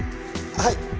はい。